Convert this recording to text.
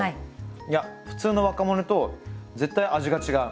いや普通のワカモレと絶対味が違う。